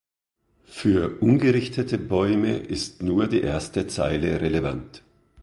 Für ungerichtete Bäume ist nur die erste Zeile relevant.